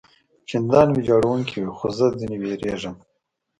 چندان ویجاړوونکي وي، خو زه ځنې وېرېږم.